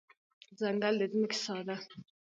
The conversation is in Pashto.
ځنګل د ځمکې ساه ده.